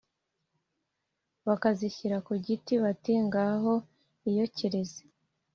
bakazishyira ku giti; bati: «ngaho iyokereze»